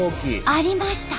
ありました！